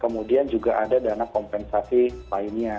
kemudian juga ada dana kompensasi lainnya